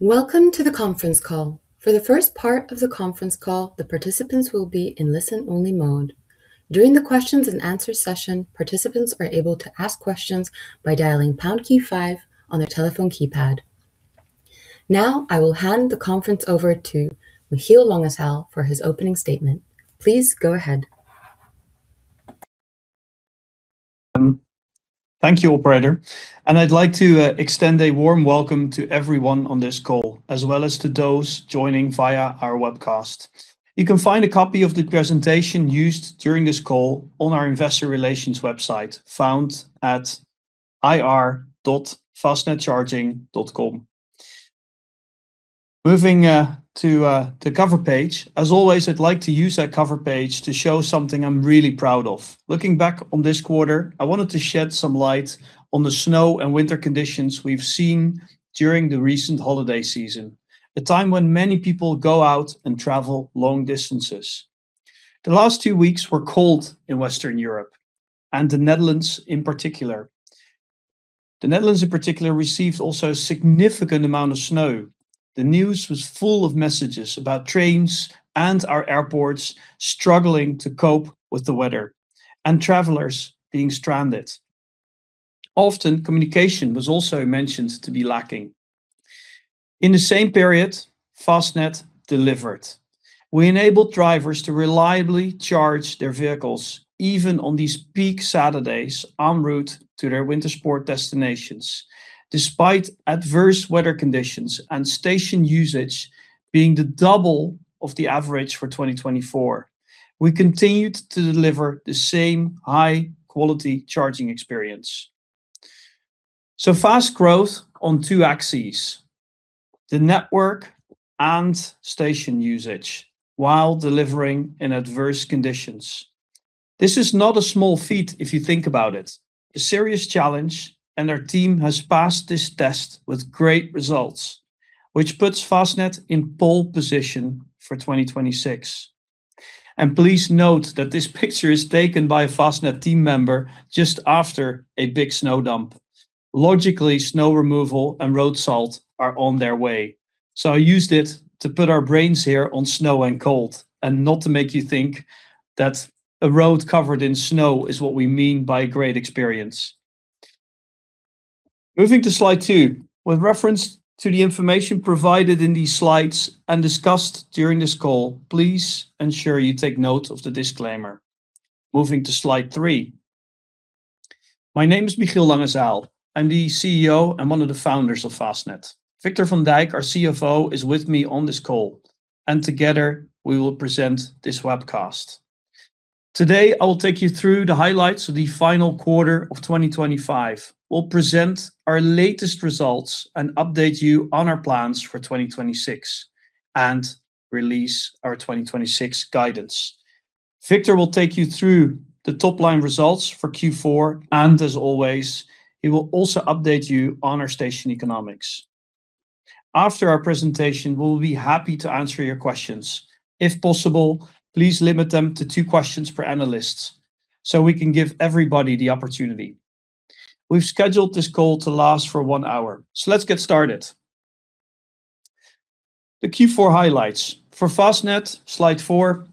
Welcome to the conference call. For the first part of the conference call, the participants will be in listen-only mode. During the questions-and-answers session, participants are able to ask questions by dialing pound key five on their telephone keypad. Now, I will hand the conference over to Michiel Langezaal for his opening statement. Please go ahead. Thank you, Operator. And I'd like to extend a warm welcome to everyone on this call, as well as to those joining via our webcast. You can find a copy of the presentation used during this call on our investor relations website, found at ir.fastnedcharging.com. Moving to the cover page, as always, I'd like to use that cover page to show something I'm really proud of. Looking back on this quarter, I wanted to shed some light on the snow and winter conditions we've seen during the recent holiday season, a time when many people go out and travel long distances. The last two weeks were cold in Western Europe, and the Netherlands in particular. The Netherlands in particular received also a significant amount of snow. The news was full of messages about trains and our airports struggling to cope with the weather and travelers being stranded. Often, communication was also mentioned to be lacking. In the same period, Fastned delivered. We enabled drivers to reliably charge their vehicles, even on these peak Saturdays en route to their winter sport destinations. Despite adverse weather conditions and station usage being the double of the average for 2024, we continued to deliver the same high-quality charging experience, so fast growth on two axes: the network and station usage while delivering in adverse conditions. This is not a small feat if you think about it. A serious challenge, and our team has passed this test with great results, which puts Fastned in pole position for 2026, and please note that this picture is taken by a Fastned team member just after a big snow dump. Logically, snow removal and road salt are on their way. So I used it to put our brains here on snow and cold, and not to make you think that a road covered in snow is what we mean by a great experience. Moving to slide two. With reference to the information provided in these slides and discussed during this call, please ensure you take note of the disclaimer. Moving to slide three. My name is Michiel Langezaal. I'm the CEO and one of the founders of Fastned. Victor van Dijk, our CFO, is with me on this call, and together we will present this webcast. Today, I will take you through the highlights of the final quarter of 2025. We'll present our latest results and update you on our plans for 2026 and release our 2026 guidance. Victor will take you through the top-line results for Q4, and as always, he will also update you on our station economics. After our presentation, we'll be happy to answer your questions. If possible, please limit them to two questions per analyst so we can give everybody the opportunity. We've scheduled this call to last for one hour, so let's get started. The Q4 highlights. For Fastned, slide four,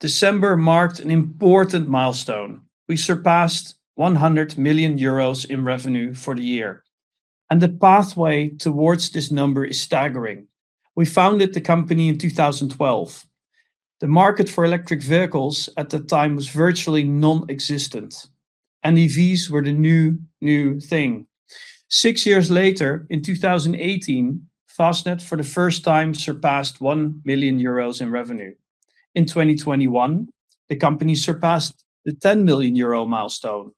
December marked an important milestone. We surpassed 100 million euros in revenue for the year, and the pathway towards this number is staggering. We founded the company in 2012. The market for electric vehicles at the time was virtually non-existent, and EVs were the new, new thing. Six years later, in 2018, Fastned for the first time surpassed 1 million euros in revenue. In 2021, the company surpassed the 10 million euro milestone.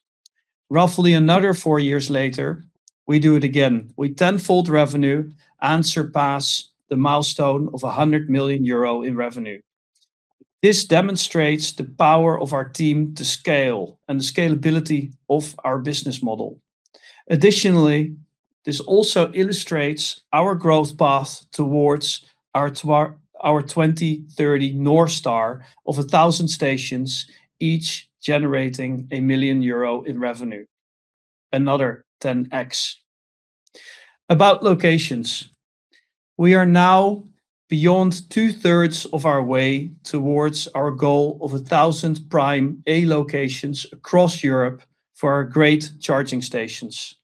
Roughly another four years later, we do it again. We tenfold revenue and surpass the milestone of 100 million euro in revenue. This demonstrates the power of our team to scale and the scalability of our business model. Additionally, this also illustrates our growth path towards our 2030 North Star of 1,000 stations, each generating €1 million in revenue, another 10x. About locations. We are now beyond two-thirds of our way towards our goal of 1,000 prime A locations across Europe for our great charging stations.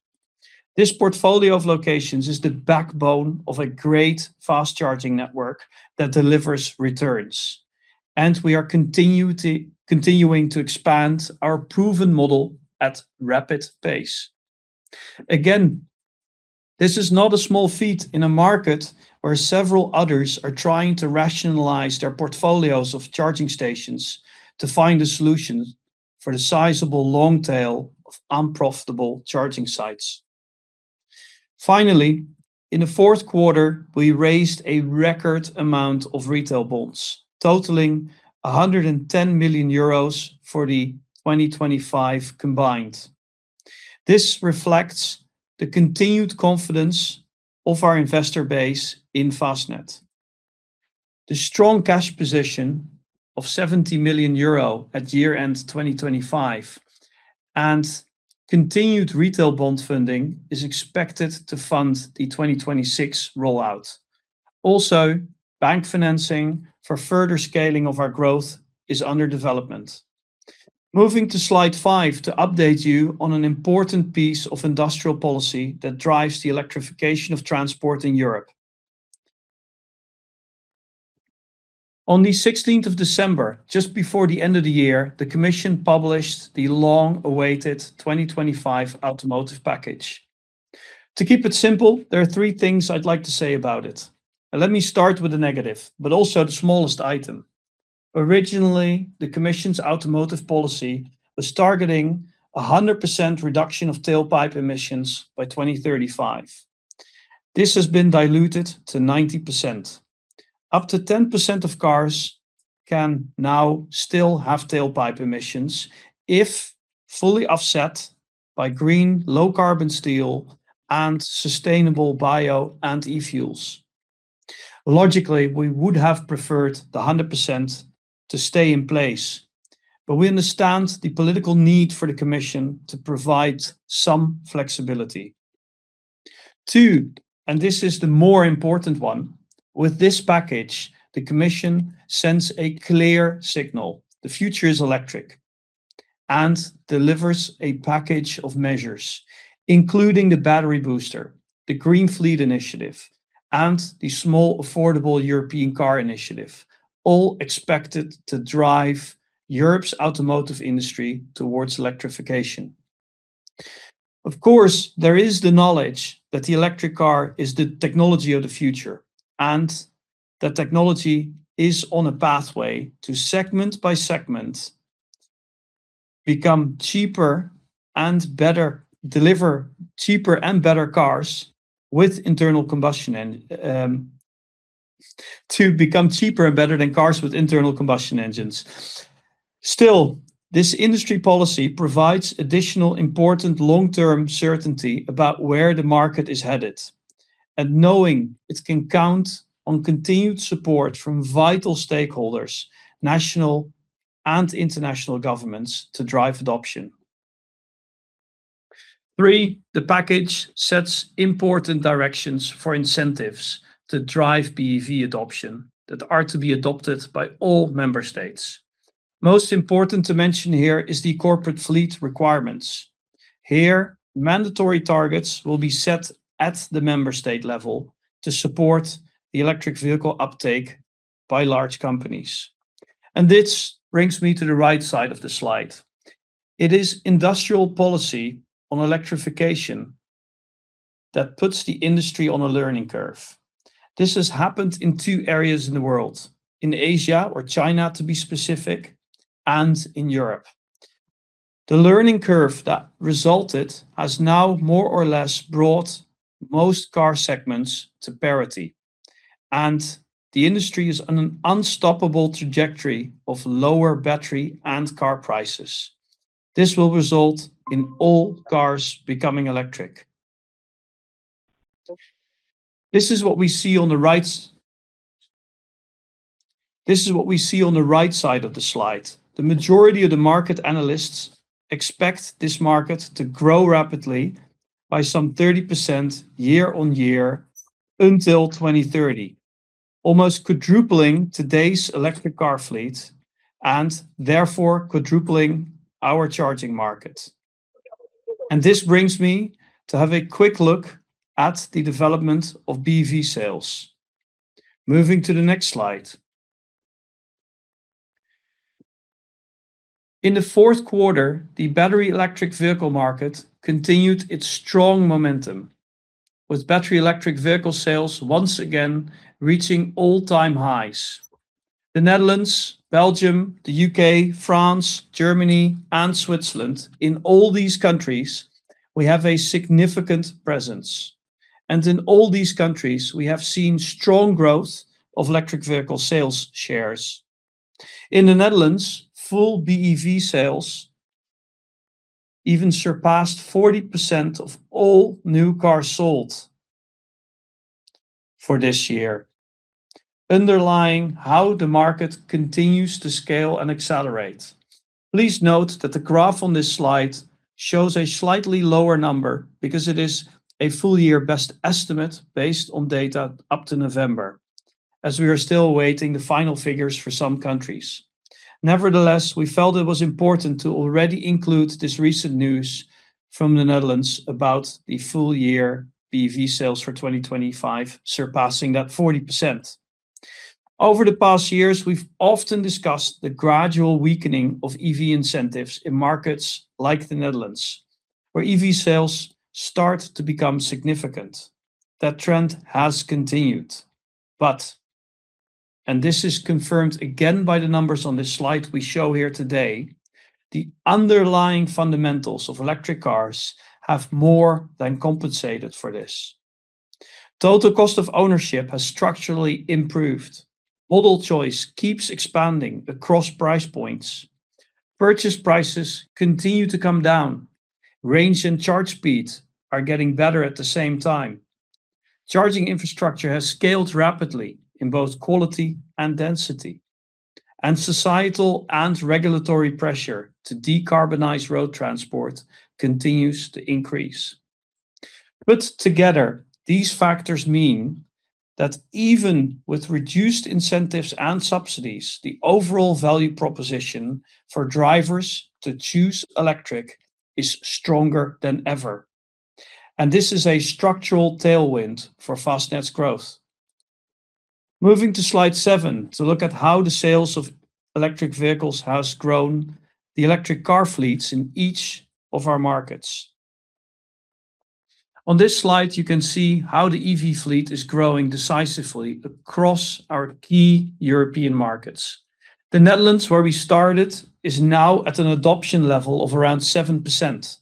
This portfolio of locations is the backbone of a great fast charging network that delivers returns, and we are continuing to expand our proven model at a rapid pace. Again, this is not a small feat in a market where several others are trying to rationalize their portfolios of charging stations to find a solution for the sizable long tail of unprofitable charging sites. Finally, in the fourth quarter, we raised a record amount of retail bonds, totaling €110 million for the 2025 combined. This reflects the continued confidence of our investor base in Fastned. The strong cash position of €70 million at year-end 2025 and continued retail bond funding is expected to fund the 2026 rollout. Also, bank financing for further scaling of our growth is under development. Moving to slide five to update you on an important piece of industrial policy that drives the electrification of transport in Europe. On the 16th of December, just before the end of the year, the Commission published the long-awaited 2025 automotive package. To keep it simple, there are three things I'd like to say about it. Let me start with the negative, but also the smallest item. Originally, the Commission's automotive policy was targeting a 100% reduction of tailpipe emissions by 2035. This has been diluted to 90%. Up to 10% of cars can now still have tailpipe emissions if fully offset by green, low-carbon steel and sustainable bio and e-fuels. Logically, we would have preferred the 100% to stay in place, but we understand the political need for the Commission to provide some flexibility. Two, and this is the more important one. With this package, the Commission sends a clear signal. The future is electric and delivers a package of measures, including the battery booster, the Green Fleet initiative, and the small affordable European car initiative, all expected to drive Europe's automotive industry towards electrification. Of course, there is the knowledge that the electric car is the technology of the future and that technology is on a pathway to, segment by segment, become cheaper and better, deliver cheaper and better cars with internal combustion engines, to become cheaper and better than cars with internal combustion engines. Still, this industry policy provides additional important long-term certainty about where the market is headed and knowing it can count on continued support from vital stakeholders, national and international governments, to drive adoption. Three, the package sets important directions for incentives to drive BEV adoption that are to be adopted by all member states. Most important to mention here is the corporate fleet requirements. Here, mandatory targets will be set at the member state level to support the electric vehicle uptake by large companies, and this brings me to the right side of the slide. It is industrial policy on electrification that puts the industry on a learning curve. This has happened in two areas in the world, in Asia or China, to be specific, and in Europe. The learning curve that resulted has now more or less brought most car segments to parity, and the industry is on an unstoppable trajectory of lower battery and car prices. This will result in all cars becoming electric. This is what we see on the right. This is what we see on the right side of the slide. The majority of the market analysts expect this market to grow rapidly by some 30% year-on-year until 2030, almost quadrupling today's electric car fleet and therefore quadrupling our charging market, and this brings me to have a quick look at the development of BEV sales. Moving to the next slide. In the fourth quarter, the battery electric vehicle market continued its strong momentum, with battery electric vehicle sales once again reaching all-time highs. The Netherlands, Belgium, the UK, France, Germany, and Switzerland, in all these countries, we have a significant presence. And in all these countries, we have seen strong growth of electric vehicle sales shares. In the Netherlands, full BEV sales even surpassed 40% of all new cars sold for this year, underlying how the market continues to scale and accelerate. Please note that the graph on this slide shows a slightly lower number because it is a full year best estimate based on data up to November, as we are still awaiting the final figures for some countries. Nevertheless, we felt it was important to already include this recent news from the Netherlands about the full year BEV sales for 2025 surpassing that 40%. Over the past years, we've often discussed the gradual weakening of EV incentives in markets like the Netherlands, where EV sales start to become significant. That trend has continued, but, and this is confirmed again by the numbers on this slide we show here today, the underlying fundamentals of electric cars have more than compensated for this. Total cost of ownership has structurally improved. Model choice keeps expanding across price points. Purchase prices continue to come down. Range and charge speed are getting better at the same time. Charging infrastructure has scaled rapidly in both quality and density, and societal and regulatory pressure to decarbonize road transport continues to increase. Put together, these factors mean that even with reduced incentives and subsidies, the overall value proposition for drivers to choose electric is stronger than ever, and this is a structural tailwind for Fastned's growth. Moving to slide seven to look at how the sales of electric vehicles have grown, the electric car fleets in each of our markets. On this slide, you can see how the EV fleet is growing decisively across our key European markets. The Netherlands, where we started, is now at an adoption level of around 7%,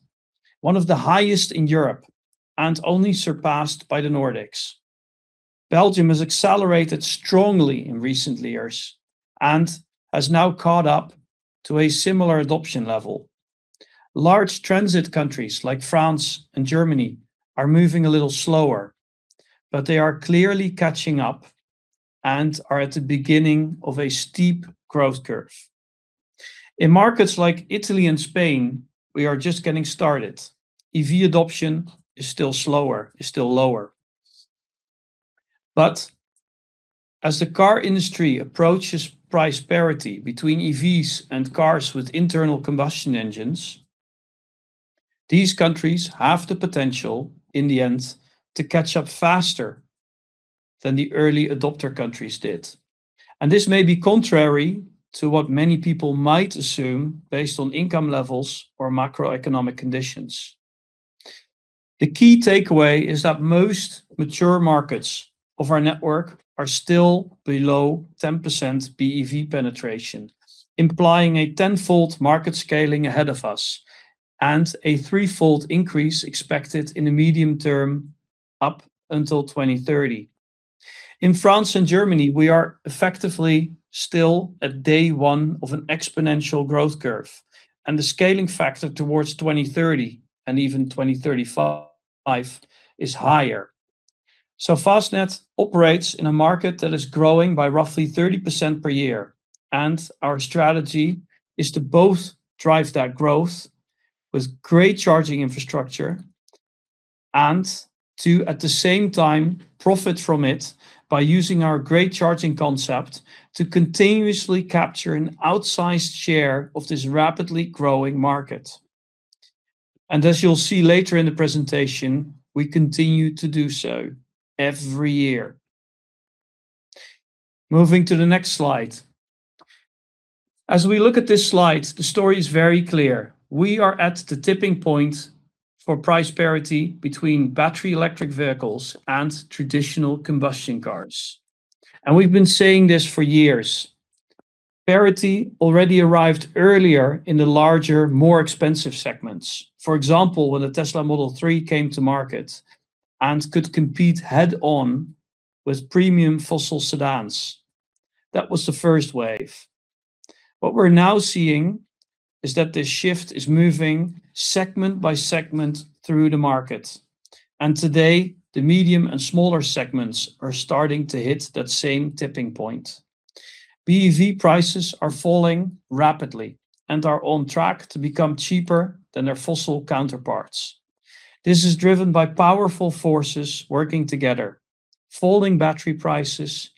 one of the highest in Europe and only surpassed by the Nordics. Belgium has accelerated strongly in recent years and has now caught up to a similar adoption level. Large transit countries like France and Germany are moving a little slower, but they are clearly catching up and are at the beginning of a steep growth curve. In markets like Italy and Spain, we are just getting started. EV adoption is still slower, is still lower. But as the car industry approaches price parity between EVs and cars with internal combustion engines, these countries have the potential in the end to catch up faster than the early adopter countries did. This may be contrary to what many people might assume based on income levels or macroeconomic conditions. The key takeaway is that most mature markets of our network are still below 10% BEV penetration, implying a tenfold market scaling ahead of us and a threefold increase expected in the medium term up until 2030. In France and Germany, we are effectively still at day one of an exponential growth curve, and the scaling factor towards 2030 and even 2035 is higher. Fastned operates in a market that is growing by roughly 30% per year, and our strategy is to both drive that growth with great charging infrastructure and to, at the same time, profit from it by using our great charging concept to continuously capture an outsized share of this rapidly growing market. As you'll see later in the presentation, we continue to do so every year. Moving to the next slide. As we look at this slide, the story is very clear. We are at the tipping point for price parity between battery electric vehicles and traditional combustion cars, and we've been saying this for years. Parity already arrived earlier in the larger, more expensive segments. For example, when the Tesla Model 3 came to market and could compete head-on with premium fossil sedans. That was the first wave. What we're now seeing is that this shift is moving segment by segment through the market, and today, the medium and smaller segments are starting to hit that same tipping point. BEV prices are falling rapidly and are on track to become cheaper than their fossil counterparts. This is driven by powerful forces working together: falling battery prices,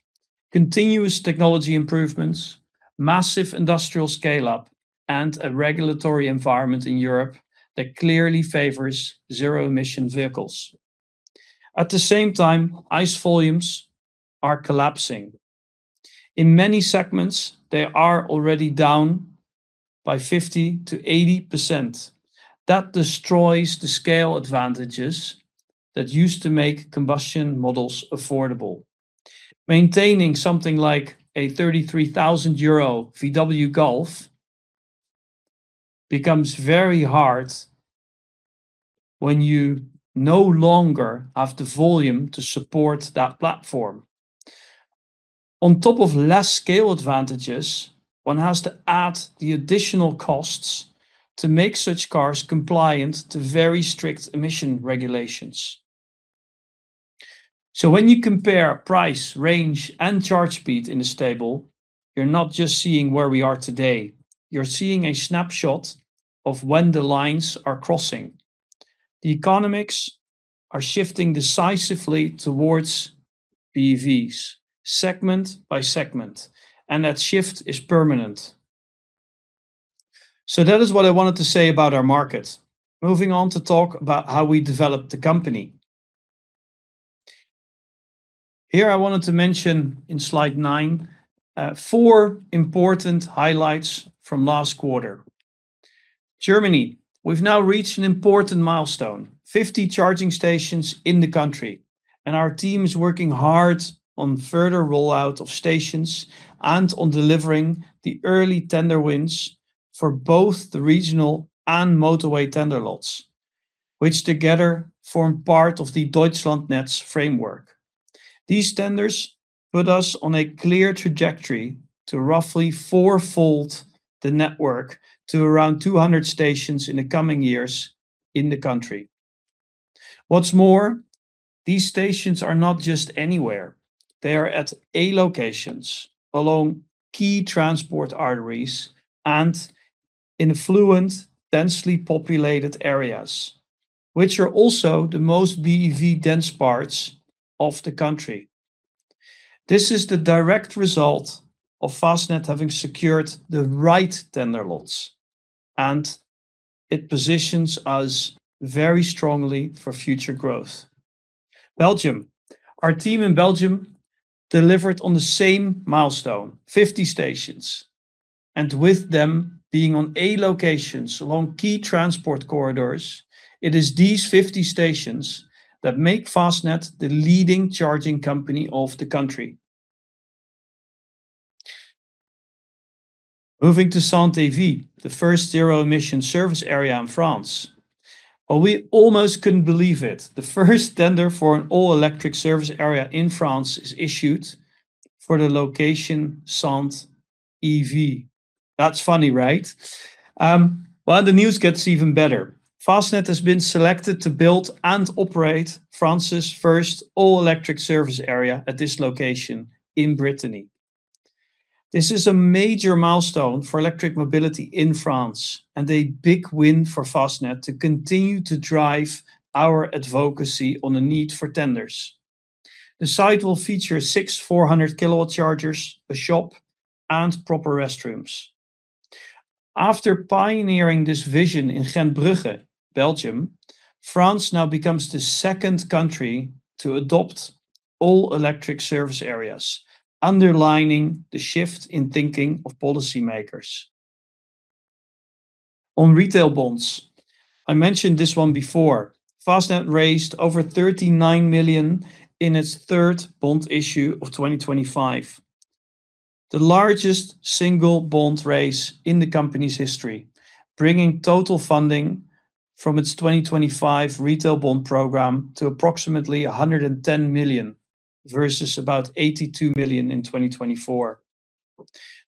continuous technology improvements, massive industrial scale-up, and a regulatory environment in Europe that clearly favors zero-emission vehicles. At the same time, ICE volumes are collapsing. In many segments, they are already down by 50%-80%. That destroys the scale advantages that used to make combustion models affordable. Maintaining something like a 33,000 euro VW Golf becomes very hard when you no longer have the volume to support that platform. On top of less scale advantages, one has to add the additional costs to make such cars compliant to very strict emission regulations. So when you compare price, range, and charge speed in a stable, you're not just seeing where we are today. You're seeing a snapshot of when the lines are crossing. The economics are shifting decisively towards BEVs, segment by segment, and that shift is permanent. So that is what I wanted to say about our market. Moving on to talk about how we developed the company. Here I wanted to mention in slide nine, four important highlights from last quarter. Germany, we've now reached an important milestone: 50 charging stations in the country, and our team is working hard on further rollout of stations and on delivering the early tender wins for both the regional and motorway tender lots, which together form part of the Deutschlandnetz framework. These tenders put us on a clear trajectory to roughly fourfold the network to around 200 stations in the coming years in the country. What's more, these stations are not just anywhere. They are at A-locations along key transport arteries and in affluent, densely populated areas, which are also the most BEV-dense parts of the country. This is the direct result of Fastned having secured the right tender lots, and it positions us very strongly for future growth. Belgium, our team in Belgium delivered on the same milestone: 50 stations. And with them being on A-locations along key transport corridors, it is these 50 stations that make Fastned the leading charging company of the country. Moving to Saint-Divy, the first zero-emission service area in France. Well, we almost couldn't believe it. The first tender for an all-electric service area in France is issued for the location Saint-Divy. That's funny, right? Well, the news gets even better. Fastned has been selected to build and operate France's first all-electric service area at this location in Brittany. This is a major milestone for electric mobility in France and a big win for Fastned to continue to drive our advocacy on the need for tenders. The site will feature six 400-kilowatt chargers, a shop, and proper restrooms. After pioneering this vision in Gentbrugge, Belgium, France now becomes the second country to adopt all-electric service areas, underlining the shift in thinking of policymakers. On retail bonds, I mentioned this one before. Fastned raised over 39 million in its third bond issue of 2025, the largest single bond raise in the company's history, bringing total funding from its 2025 retail bond program to approximately 110 million versus about 82 million in 2024.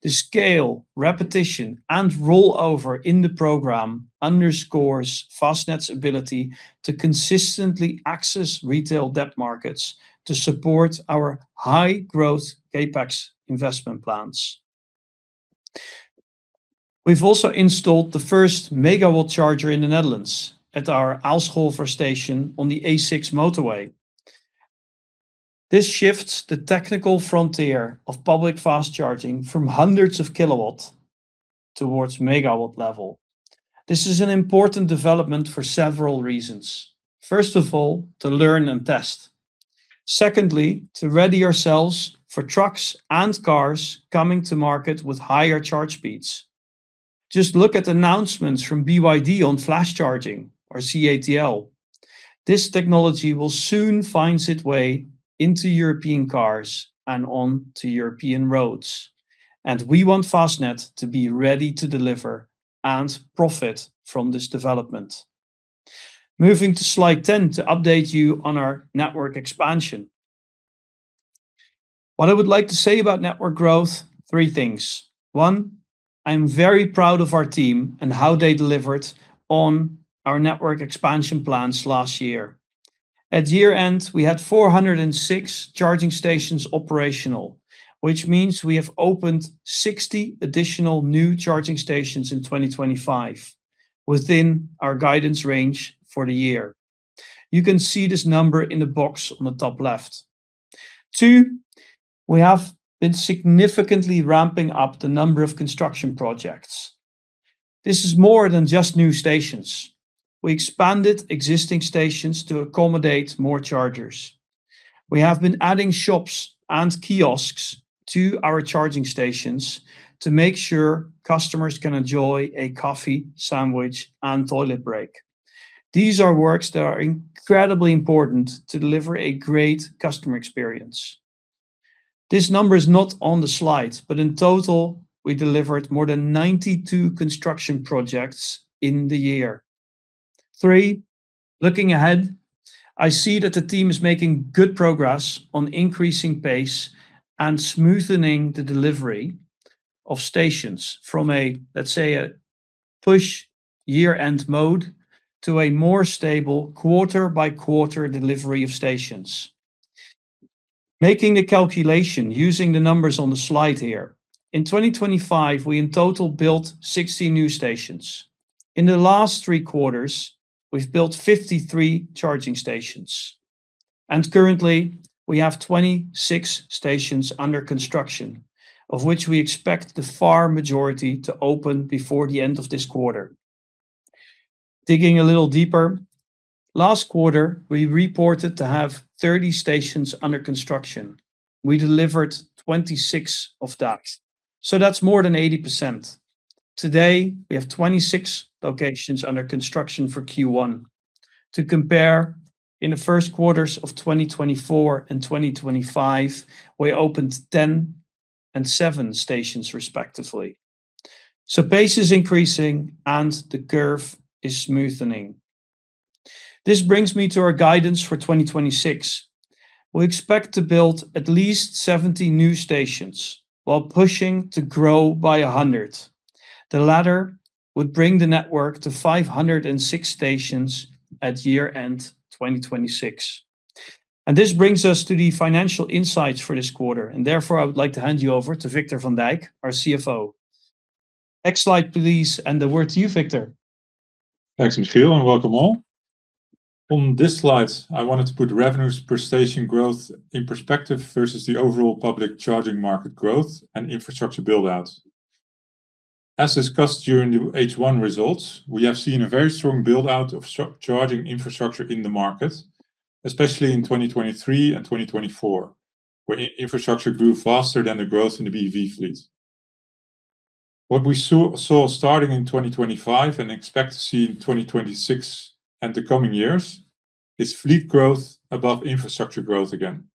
The scale, repetition, and rollover in the program underscores Fastned's ability to consistently access retail debt markets to support our high-growth CapEx investment plans. We've also installed the first megawatt charger in the Netherlands at our Aalscholver station on the A6 motorway. This shifts the technical frontier of public fast charging from hundreds of kilowatts towards megawatt level. This is an important development for several reasons. First of all, to learn and test. Secondly, to ready ourselves for trucks and cars coming to market with higher charge speeds. Just look at announcements from BYD on flash charging, or CATL. This technology will soon find its way into European cars and onto European roads. And we want Fastned to be ready to deliver and profit from this development. Moving to slide 10 to update you on our network expansion. What I would like to say about network growth, three things. One, I'm very proud of our team and how they delivered on our network expansion plans last year. At year end, we had 406 charging stations operational, which means we have opened 60 additional new charging stations in 2025 within our guidance range for the year. You can see this number in the box on the top left. Two, we have been significantly ramping up the number of construction projects. This is more than just new stations. We expanded existing stations to accommodate more chargers. We have been adding shops and kiosks to our charging stations to make sure customers can enjoy a coffee, sandwich, and toilet break. These are works that are incredibly important to deliver a great customer experience. This number is not on the slide, but in total, we delivered more than 92 construction projects in the year. Three, looking ahead, I see that the team is making good progress on increasing pace and smoothening the delivery of stations from a, let's say, a push year-end mode to a more stable quarter-by-quarter delivery of stations. Making a calculation using the numbers on the slide here, in 2025, we in total built 60 new stations. In the last three quarters, we've built 53 charging stations. Currently, we have 26 stations under construction, of which we expect the far majority to open before the end of this quarter. Digging a little deeper, last quarter, we reported to have 30 stations under construction. We delivered 26 of that. That's more than 80%. Today, we have 26 locations under construction for Q1. To compare, in the first quarters of 2024 and 2025, we opened 10 and 7 stations, respectively. Pace is increasing and the curve is smoothening. This brings me to our guidance for 2026. We expect to build at least 70 new stations while pushing to grow by 100. The latter would bring the network to 506 stations at year-end 2026. This brings us to the financial insights for this quarter. Therefore, I would like to hand you over to Victor Van Dijk, our CFO. Next slide, please, and the word to you, Victor. Thanks, Michiel, and welcome all. On this slide, I wanted to put revenues per station growth in perspective versus the overall public charging market growth and infrastructure build-out. As discussed during the H1 results, we have seen a very strong build-out of charging infrastructure in the market, especially in 2023 and 2024, where infrastructure grew faster than the growth in the BEV fleet. What we saw starting in 2025 and expect to see in 2026 and the coming years is fleet growth above infrastructure growth again,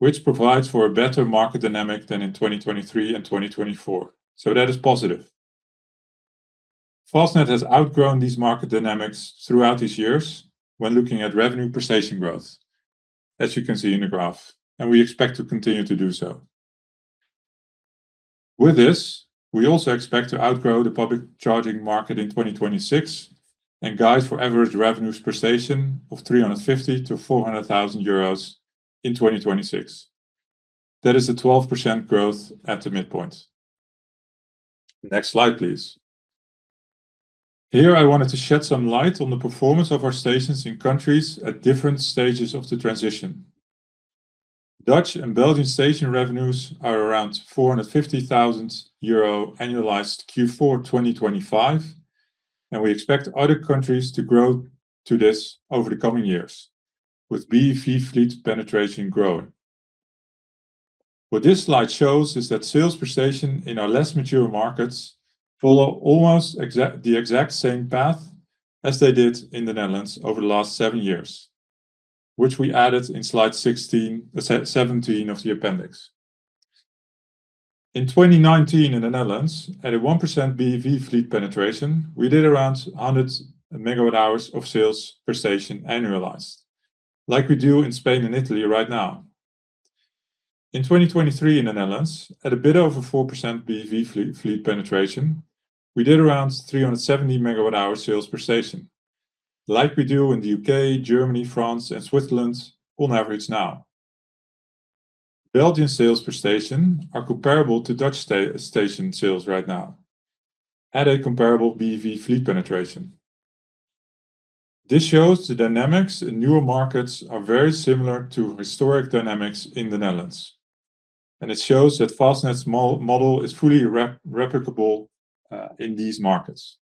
which provides for a better market dynamic than in 2023 and 2024. So that is positive. Fastned has outgrown these market dynamics throughout these years when looking at revenue per station growth, as you can see in the graph, and we expect to continue to do so. With this, we also expect to outgrow the public charging market in 2026 and guide for average revenues per station of €350,000-€400,000 in 2026. That is a 12% growth at the midpoint. Next slide, please. Here, I wanted to shed some light on the performance of our stations in countries at different stages of the transition. Dutch and Belgian station revenues are around €450,000 annualized Q4 2025, and we expect other countries to grow to this over the coming years, with BEV fleet penetration growing. What this slide shows is that sales per station in our less mature markets follow almost the exact same path as they did in the Netherlands over the last seven years, which we added in slide 17 of the appendix. In 2019 in the Netherlands, at a 1% BEV fleet penetration, we did around 100 megawatt-hours of sales per station annualized, like we do in Spain and Italy right now. In 2023 in the Netherlands, at a bit over 4% BEV fleet penetration, we did around 370 megawatt-hours sales per station, like we do in the UK, Germany, France, and Switzerland on average now. Belgian sales per station are comparable to Dutch station sales right now at a comparable BEV fleet penetration. This shows the dynamics in newer markets are very similar to historic dynamics in the Netherlands. And it shows that Fastned's model is fully replicable in these markets.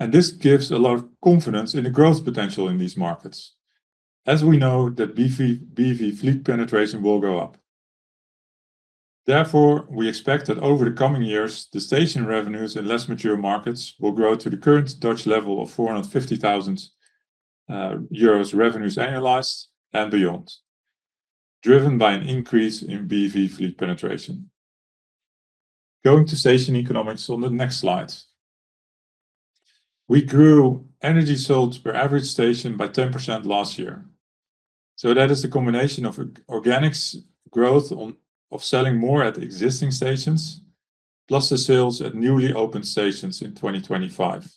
And this gives a lot of confidence in the growth potential in these markets, as we know that BEV fleet penetration will go up. Therefore, we expect that over the coming years, the station revenues in less mature markets will grow to the current Dutch level of €450,000 revenues annualized and beyond, driven by an increase in BEV fleet penetration. Going to station economics on the next slide. We grew energy sold per average station by 10% last year. So that is a combination of organic growth of selling more at existing stations, plus the sales at newly opened stations in 2025.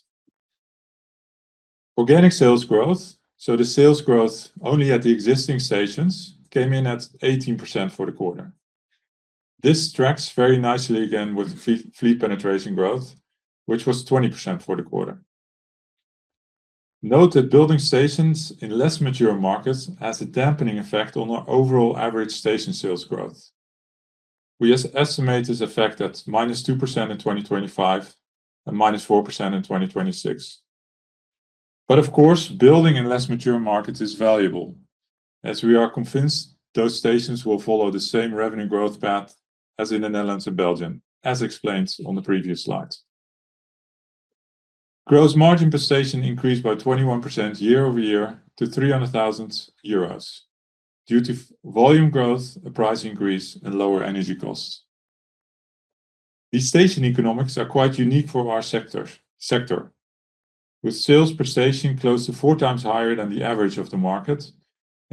Organic sales growth, so the sales growth only at the existing stations, came in at 18% for the quarter. This tracks very nicely again with fleet penetration growth, which was 20% for the quarter. Note that building stations in less mature markets has a dampening effect on our overall average station sales growth. We estimate this effect at minus 2% in 2025 and minus 4% in 2026. But of course, building in less mature markets is valuable, as we are convinced those stations will follow the same revenue growth path as in the Netherlands and Belgium, as explained on the previous slide. Gross margin per station increased by 21% year-over-year to €300,000 due to volume growth, a price increase, and lower energy costs. These station economics are quite unique for our sector, with sales per station close to four times higher than the average of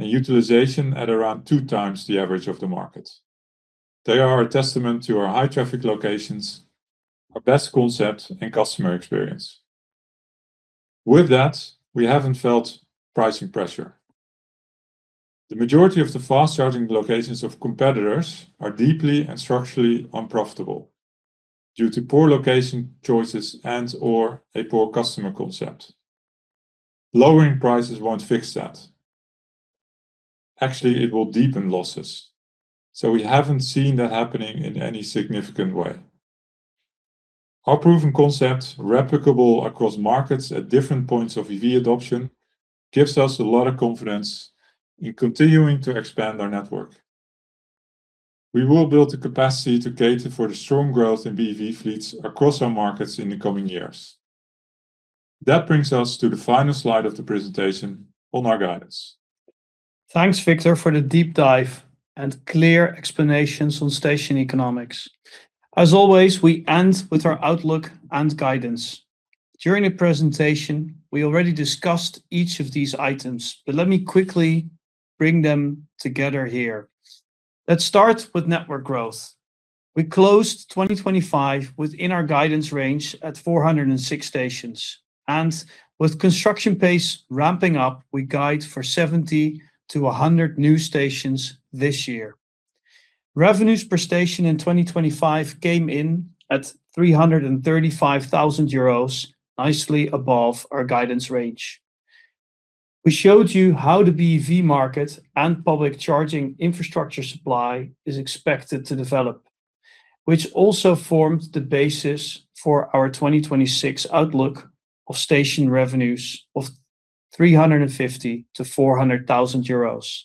the market and utilization at around two times the average of the market. They are a testament to our high-traffic locations, our best concept, and customer experience. With that, we haven't felt pricing pressure. The majority of the fast-charging locations of competitors are deeply and structurally unprofitable due to poor location choices and/or a poor customer concept. Lowering prices won't fix that. Actually, it will deepen losses. So we haven't seen that happening in any significant way. Our proven concept, replicable across markets at different points of EV adoption, gives us a lot of confidence in continuing to expand our network. We will build the capacity to cater for the strong growth in BEV fleets across our markets in the coming years. That brings us to the final slide of the presentation on our guidance. Thanks, Victor, for the deep dive and clear explanations on station economics. As always, we end with our outlook and guidance. During the presentation, we already discussed each of these items, but let me quickly bring them together here. Let's start with network growth. We closed 2025 within our guidance range at 406 stations. And with construction pace ramping up, we guide for 70-100 new stations this year. Revenues per station in 2025 came in at 335,000 euros, nicely above our guidance range. We showed you how the BEV market and public charging infrastructure supply is expected to develop, which also formed the basis for our 2026 outlook of station revenues of 350,000-400,000 euros.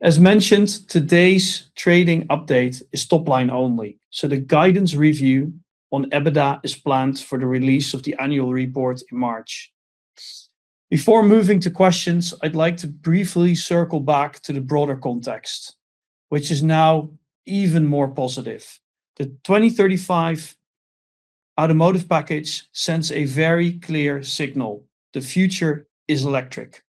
As mentioned, today's trading update is top-line only, so the guidance review on EBITDA is planned for the release of the annual report in March. Before moving to questions, I'd like to briefly circle back to the broader context, which is now even more positive. The 2035 Automotive Package sends a very clear signal: the future is electric.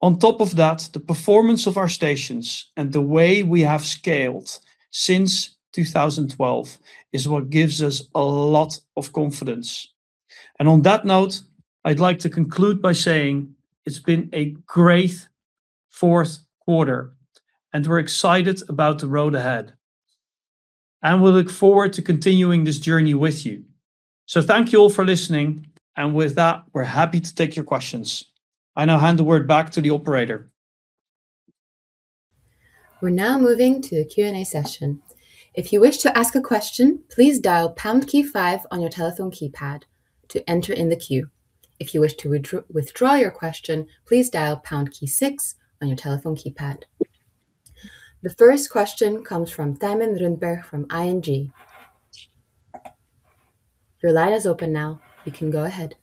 On top of that, the performance of our stations and the way we have scaled since 2012 is what gives us a lot of confidence. And on that note, I'd like to conclude by saying it's been a great fourth quarter, and we're excited about the road ahead. And we look forward to continuing this journey with you. So thank you all for listening. And with that, we're happy to take your questions. I now hand the word back to the operator. We're now moving to the Q&A session. If you wish to ask a question, please dial pound key five on your telephone keypad to enter in the queue. If you wish to withdraw your question, please dial pound key six on your telephone keypad. The first question comes from Thijmen Rundberg from ING. Your line is open now. You can go ahead.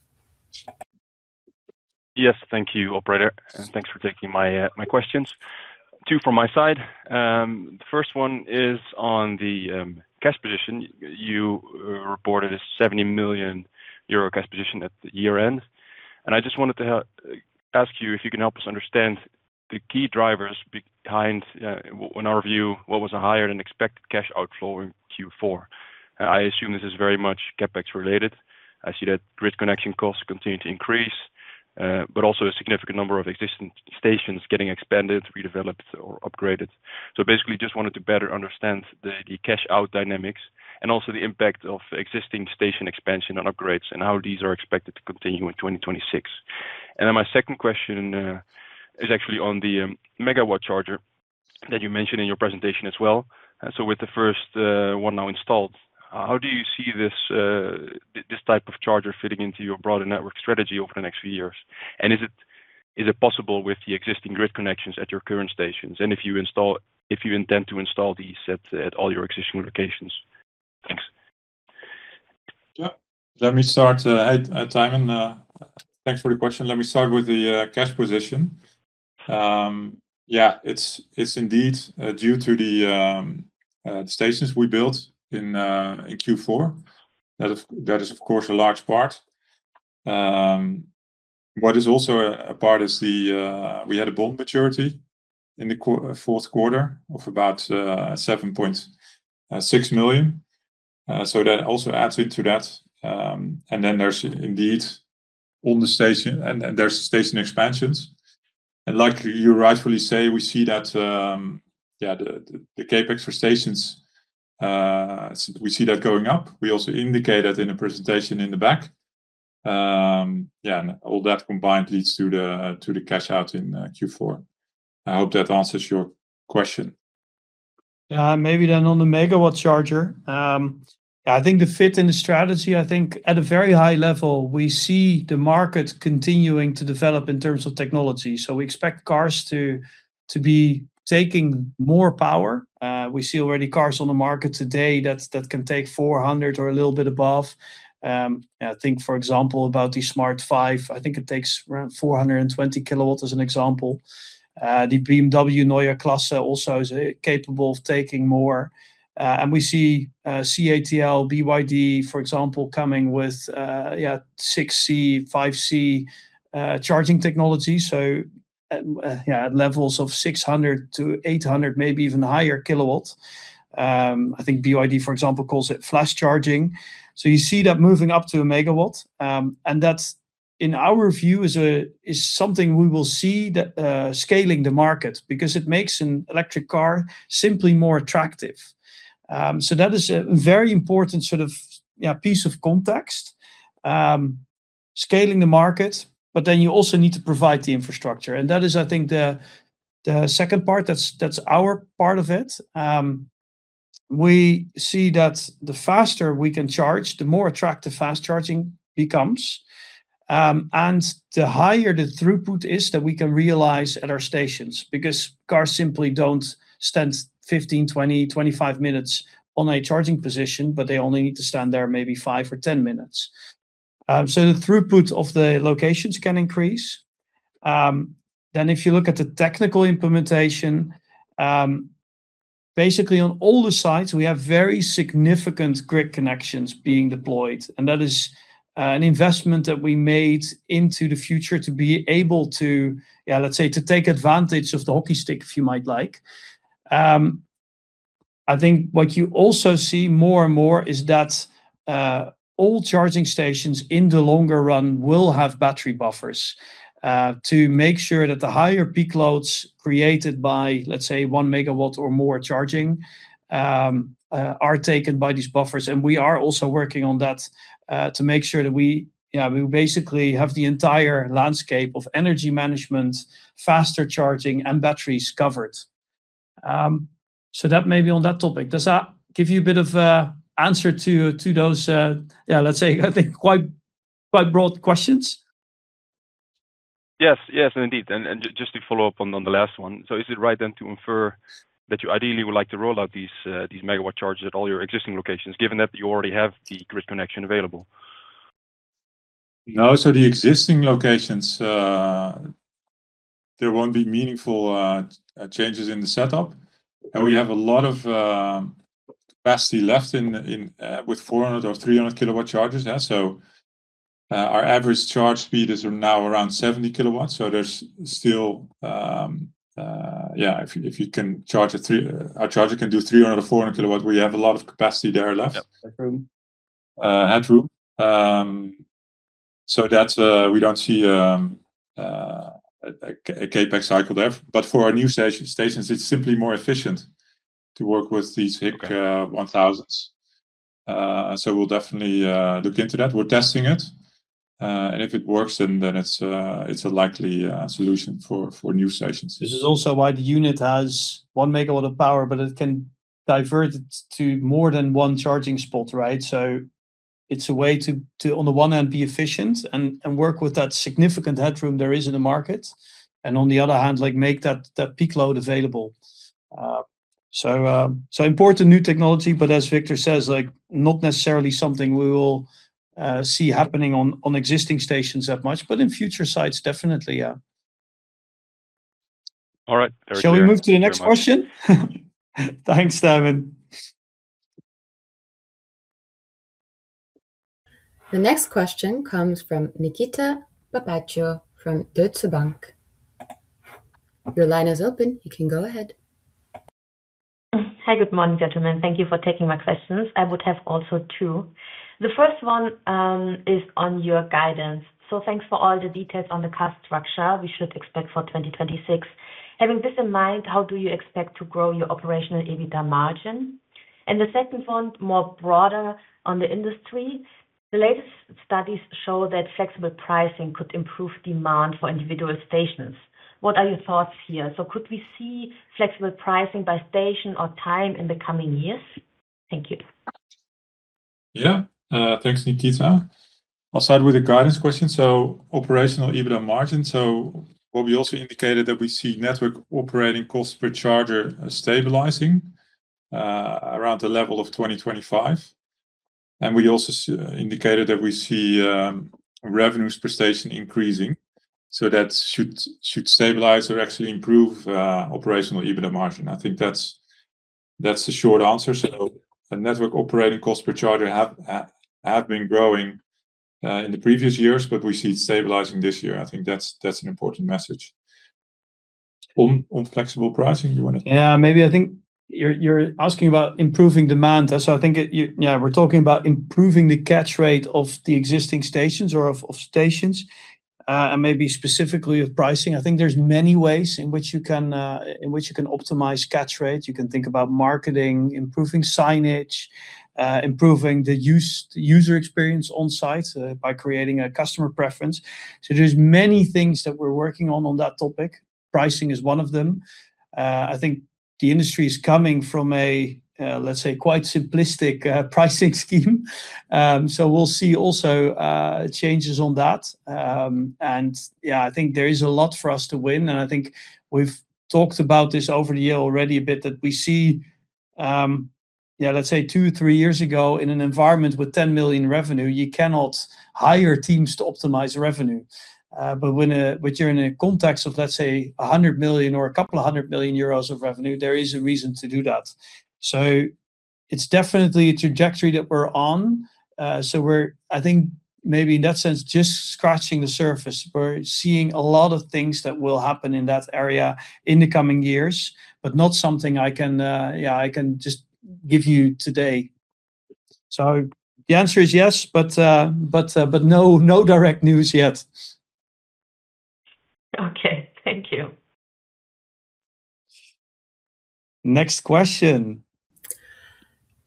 Yes, thank you, operator. And thanks for taking my questions. Two from my side. The first one is on the cash position. You reported a €70 million cash position at the year-end. And I just wanted to ask you if you can help us understand the key drivers behind, in our view, what was a higher than expected cash outflow in Q4. I assume this is very much CapEx related. I see that grid connection costs continue to increase, but also a significant number of existing stations getting expanded, redeveloped, or upgraded. So basically, I just wanted to better understand the cash-out dynamics and also the impact of existing station expansion and upgrades and how these are expected to continue in 2026. And then my second question is actually on the megawatt charger that you mentioned in your presentation as well. So with the first one now installed, how do you see this type of charger fitting into your broader network strategy over the next few years? And is it possible with the existing grid connections at your current stations? And if you intend to install these at all your existing locations? Thanks. Yeah, let me start. Thijmen, thanks for the question. Let me start with the cash position. Yeah, it's indeed due to the stations we built in Q4. That is, of course, a large part. What is also a part is we had a bond maturity in the fourth quarter of about €7.6 million. So that also adds into that. And then there's indeed on the station, and there's station expansions. And like you rightfully say, we see that, yeah, the CapEx for stations, we see that going up. We also indicated in the presentation in the back. Yeah, and all that combined leads to the cash-out in Q4. I hope that answers your question. Yeah, maybe then on the megawatt charger. Yeah, I think the fit in the strategy. I think at a very high level, we see the market continuing to develop in terms of technology. We expect cars to be taking more power. We see already cars on the market today that can take 400 or a little bit above. I think, for example, about the Smart #5. I think it takes around 420 kilowatts as an example. The BMW Neue Klasse also is capable of taking more. We see CATL, BYD, for example, coming with 6C, 5C charging technology. Yeah, at levels of 600-800, maybe even higher kilowatts. I think BYD, for example, calls it flash charging. You see that moving up to a megawatt. That, in our view, is something we will see scaling the market because it makes an electric car simply more attractive. That is a very important sort of piece of context, scaling the market, but then you also need to provide the infrastructure. And that is, I think, the second part. That's our part of it. We see that the faster we can charge, the more attractive fast charging becomes, and the higher the throughput is that we can realize at our stations because cars simply don't spend 15, 20, 25 minutes on a charging position, but they only need to stand there maybe five or 10 minutes. So the throughput of the locations can increase. Then if you look at the technical implementation, basically on all the sites, we have very significant grid connections being deployed. And that is an investment that we made into the future to be able to, yeah, let's say, to take advantage of the hockey stick, if you might like. I think what you also see more and more is that all charging stations in the longer run will have battery buffers to make sure that the higher peak loads created by, let's say, one megawatt or more charging are taken by these buffers, and we are also working on that to make sure that we basically have the entire landscape of energy management, faster charging, and batteries covered, so that may be on that topic. Does that give you a bit of an answer to those, yeah, let's say, I think, quite broad questions? Yes, yes, indeed, and just to follow up on the last one, so is it right then to infer that you ideally would like to roll out these megawatt chargers at all your existing locations, given that you already have the grid connection available? No, so the existing locations, there won't be meaningful changes in the setup, and we have a lot of capacity left with 400- or 300-kilowatt chargers. So our average charge speed is now around 70 kilowatts. So there's still, yeah, if you can charge a charger can do 300 or 400 kilowatts, we have a lot of capacity there left, room. So we don't see a CapEx cycle there. But for our new stations, it's simply more efficient to work with these HYC 1000s. So we'll definitely look into that. We're testing it, and if it works, then it's a likely solution for new stations. This is also why the unit has one megawatt of power, but it can divert it to more than one charging spot, right? So it's a way to, on the one hand, be efficient and work with that significant headroom there is in the market. And on the other hand, make that peak load available. So important new technology, but as Victor says, not necessarily something we will see happening on existing stations that much, but in future sites, definitely, yeah. All right. Shall we move to the next question? Thanks, Thijmen. The next question comes from Nikitas Vaptsarov from Deutsche Bank. Your line is open. You can go ahead. Hi, good morning, gentlemen. Thank you for taking my questions. I would have also two. The first one is on your guidance. So thanks for all the details on the cost structure we should expect for 2026. Having this in mind, how do you expect to grow your operational EBITDA margin? And the second one, more broader on the industry. The latest studies show that flexible pricing could improve demand for individual stations. What are your thoughts here? So could we see flexible pricing by station or time in the coming years? Thank you. Yeah, thanks, Nikitas. I'll start with a guidance question. So operational EBITDA margin. So what we also indicated that we see network operating costs per charger stabilizing around the level of 2025. And we also indicated that we see revenues per station increasing. So that should stabilize or actually improve operational EBITDA margin. I think that's the short answer. So network operating costs per charger have been growing in the previous years, but we see it stabilizing this year. I think that's an important message. On flexible pricing, you want to? Yeah, maybe I think you're asking about improving demand. So I think, yeah, we're talking about improving the catch rate of the existing stations or of stations, and maybe specifically of pricing. I think there's many ways in which you can optimize catch rate. You can think about marketing, improving signage, improving the user experience on site by creating a customer preference. So there's many things that we're working on that topic. Pricing is one of them. I think the industry is coming from a, let's say, quite simplistic pricing scheme. So we'll see also changes on that. And yeah, I think there is a lot for us to win. And I think we've talked about this over the year already a bit that we see, yeah, let's say, two or three years ago in an environment with €10 million revenue, you cannot hire teams to optimize revenue. But when you're in a context of, let's say, 100 million or a couple of hundred million euros of revenue, there is a reason to do that. So it's definitely a trajectory that we're on. So we're, I think, maybe in that sense, just scratching the surface. We're seeing a lot of things that will happen in that area in the coming years, but not something I can, yeah, I can just give you today. So the answer is yes, but no direct news yet. Okay, thank you. Next question.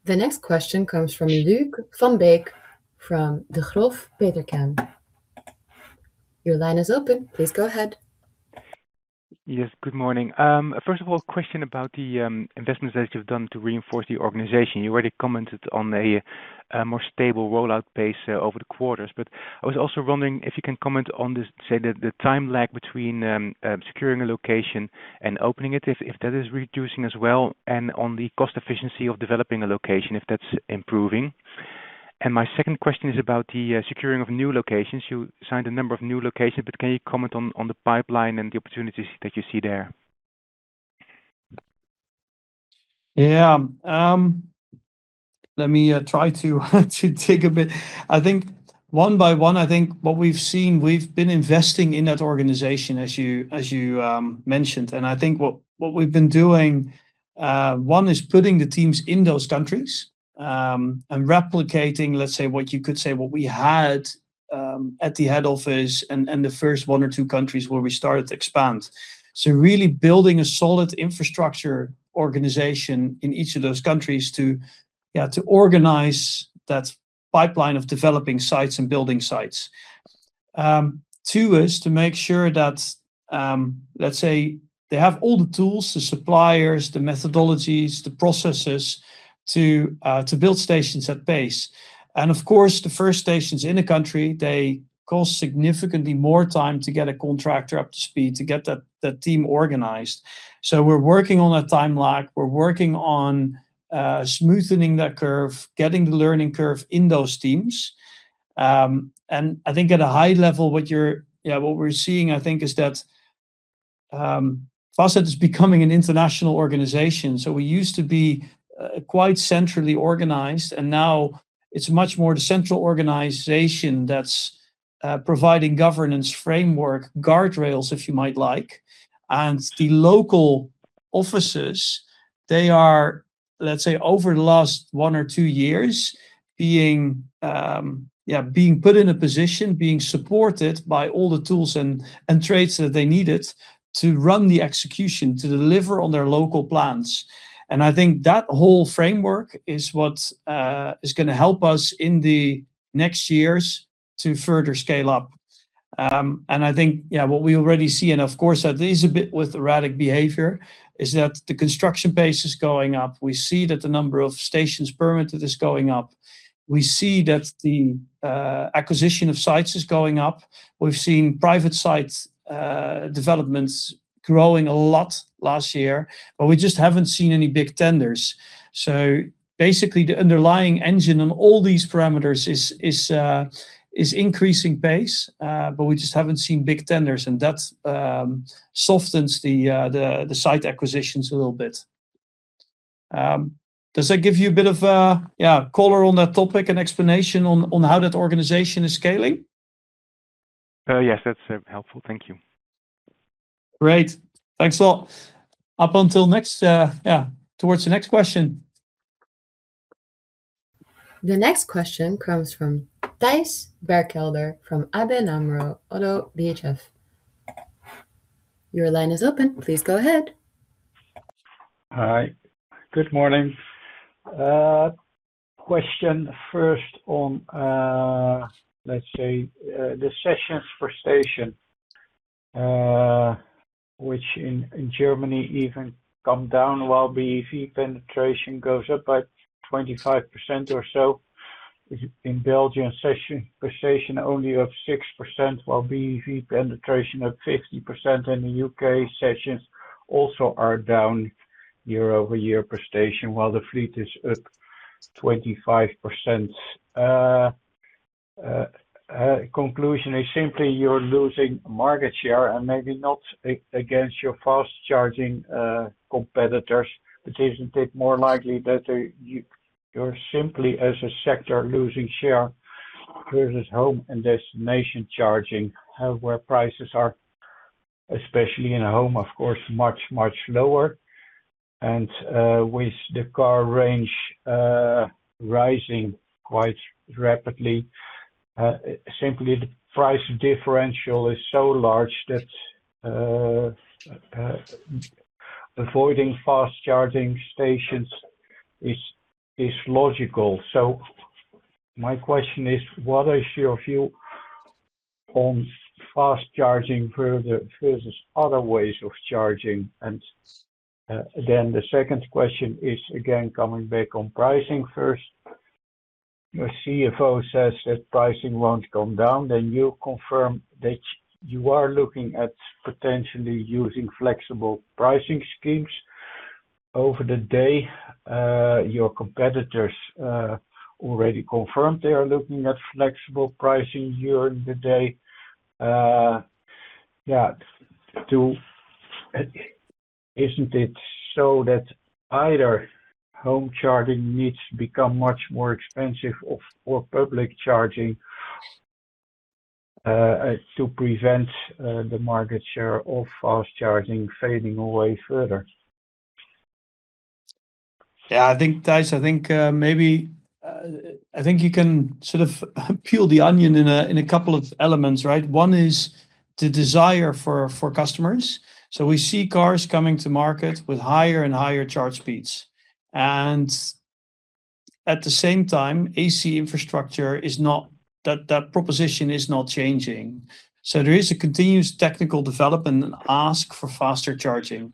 The next question comes from Luuk van Beek from Degroof Petercam. Your line is open. Please go ahead. Yes, good morning. First of all, a question about the investments that you've done to reinforce the organization. You already commented on a more stable rollout base over the quarters, but I was also wondering if you can comment on this, say, the time lag between securing a location and opening it, if that is reducing as well, and on the cost efficiency of developing a location, if that's improving. And my second question is about the securing of new locations. You signed a number of new locations, but can you comment on the pipeline and the opportunities that you see there? Yeah, let me try to dig a bit. I think one by one, I think what we've seen, we've been investing in that organization, as you mentioned. I think what we've been doing, one is putting the teams in those countries and replicating, let's say, what you could say what we had at the head office and the first one or two countries where we started to expand. Really building a solid infrastructure organization in each of those countries to organize that pipeline of developing sites and building sites. Two is to make sure that, let's say, they have all the tools, the suppliers, the methodologies, the processes to build stations at pace. Of course, the first stations in the country, they cost significantly more time to get a contractor up to speed, to get that team organized. We're working on a time lag. We're working on smoothing that curve, getting the learning curve in those teams. And I think at a high level, what we're seeing, I think, is that Fastned is becoming an international organization. So we used to be quite centrally organized, and now it's much more the central organization that's providing governance framework, guardrails, if you might like. And the local offices, they are, let's say, over the last one or two years, yeah, being put in a position, being supported by all the tools and traits that they needed to run the execution, to deliver on their local plans. And I think that whole framework is what is going to help us in the next years to further scale up. And I think, yeah, what we already see, and of course, that is a bit with erratic behavior, is that the construction pace is going up. We see that the number of stations permitted is going up. We see that the acquisition of sites is going up. We've seen private site developments growing a lot last year, but we just haven't seen any big tenders. So basically, the underlying engine on all these parameters is increasing pace, but we just haven't seen big tenders, and that softens the site acquisitions a little bit. Does that give you a bit of, yeah, color on that topic and explanation on how that organization is scaling? Yes, that's helpful. Thank you. Great. Thanks a lot. Up until next, yeah, towards the next question. The next question comes from Thijs Berkelder from ABN AMRO-ODDO BHF. Your line is open. Please go ahead. Hi, good morning. Question first on, let's say, the sessions per station, which in Germany even come down while BEV penetration goes up by 25% or so. In Belgium, sessions per station only 6%, while BEV penetration of 50% in the UK. Sessions also are down year-over-year per station, while the fleet is up 25%. Conclusion is simply you're losing market share and maybe not against your fast charging competitors, but isn't it more likely that you're simply, as a sector, losing share versus home and destination charging, where prices are, especially in home, of course, much, much lower, and with the car range rising quite rapidly, simply the price differential is so large that avoiding fast charging stations is logical. So my question is, what is your view on fast charging versus other ways of charging? And then the second question is, again, coming back on pricing first. Your CFO says that pricing won't come down. Then you confirm that you are looking at potentially using flexible pricing schemes over the day. Your competitors already confirmed they are looking at flexible pricing during the day. Yeah, isn't it so that either home charging needs to become much more expensive or public charging to prevent the market share of fast charging fading away further? Yeah, I think, Thijs, I think maybe I think you can sort of peel the onion in a couple of elements, right? One is the desire for customers. So we see cars coming to market with higher and higher charge speeds, and at the same time, AC infrastructure is not; that proposition is not changing. So there is a continuous technical development and ask for faster charging,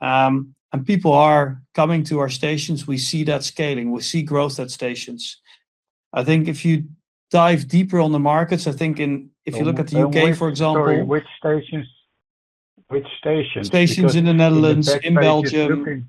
and people are coming to our stations. We see that scaling. We see growth at stations. I think if you dive deeper on the markets, I think if you look at the U.K., for example. Which stations? Stations in the Netherlands, in Belgium.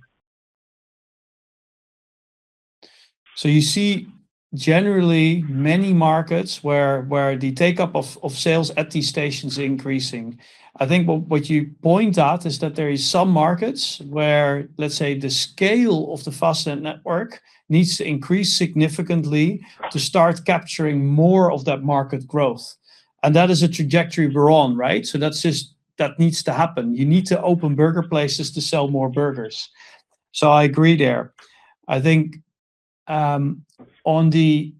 So you see generally many markets where the take-up of sales at these stations is increasing. I think what you point out is that there are some markets where, let's say, the scale of the Fastned network needs to increase significantly to start capturing more of that market growth. And that is a trajectory we're on, right? So that needs to happen. You need to open burger places to sell more burgers. So I agree there. I think on the